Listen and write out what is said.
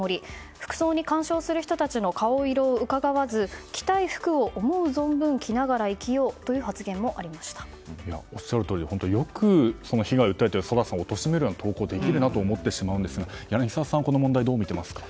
服装に干渉する人たちの顔色をうかがわず着たい服を思う存分着ながら生きようというおっしゃるとおりでよく被害を訴えているＳＯＤＡさんをおとしめるような投稿をできるなと思ってしまうんですが柳澤さん、この問題どうみていますか。